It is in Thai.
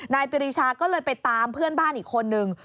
นายปริชาก็เลยไปตามเพื่อนบ้านอีกคนนึง